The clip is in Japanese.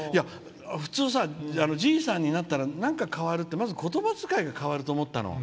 普通、じいさんになったらなんか変わるってまず、言葉遣いが変わると思ったの。